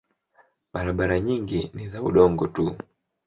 Barabara nyingine ni za udongo tu.